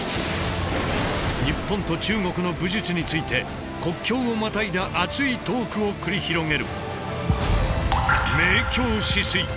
日本と中国の武術について国境をまたいだ熱いトークを繰り広げる。